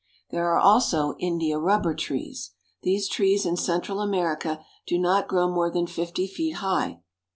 There are also India rubber trees. These trees in Central America do not grow more than fifty feet high.